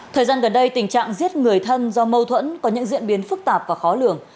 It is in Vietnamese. thời gian gần đây tình trạng giết người thân do mâu thuẫn có những diễn biến phức tạp và khó lường